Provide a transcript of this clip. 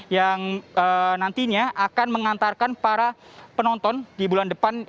yang nantinya akan mengantarkan para penonton di bulan depan